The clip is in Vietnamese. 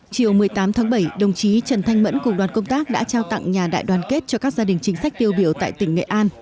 chiều một mươi tám tháng bảy đồng chí trần thanh mẫn cùng đoàn công tác đã trao tặng nhà đại đoàn kết cho các gia đình chính sách tiêu biểu tại tỉnh nghệ an